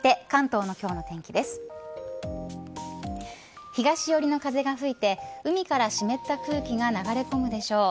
東よりの風が吹いて海から湿った空気が流れ込むでしょう。